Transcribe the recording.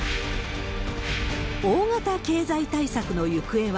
大型経済対策の行方は。